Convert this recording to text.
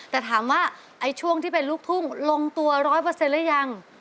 แต่ถามว่าไอ้ช่วงที่เป็นลูกทุ่งลงตัวร้อยเปอร์เซ็นต์หรือยัง